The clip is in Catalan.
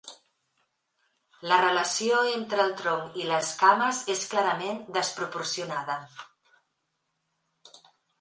La relació entre el tronc i les cames és clarament desproporcionada.